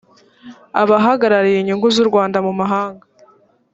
abahagarariye inyungu z’u rwanda mu mahanga